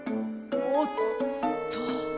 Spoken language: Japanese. おっと！